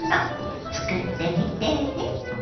つくってみてね。